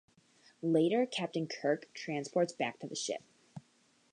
Later, Captain Kirk transports back to the ship.